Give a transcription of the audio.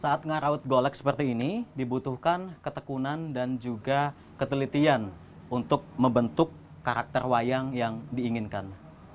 saat ngaraut golek seperti ini dibutuhkan ketekunan dan juga ketelitian untuk membentuk karakter wayang yang diinginkan